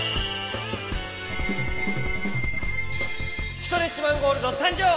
ストレッチマン・ゴールドさんじょう！